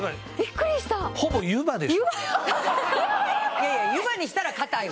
いやいや湯葉にしたら硬いわ。